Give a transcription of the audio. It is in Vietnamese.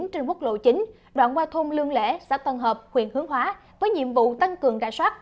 trên quốc lộ chín đoạn qua thôn lương lễ xã tân hợp huyện hướng hóa với nhiệm vụ tăng cường rà soát